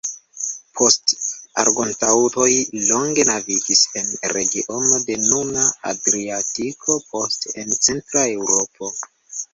Poste Argonaŭtoj longe navigis en regiono de nuna Adriatiko, poste en centra Eŭropo.